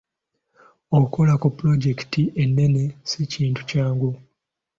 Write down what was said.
Okukola ku pulojekiti ennene si kintu kyangu.